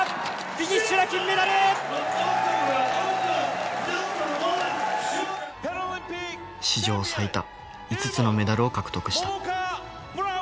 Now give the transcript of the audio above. フィニッシュだ金メダル！史上最多５つのメダルを獲得した。